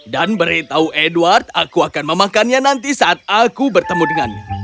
dan beritahu edward aku akan memahakannya nanti saat aku bertemu dengannya